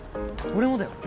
俺もだよ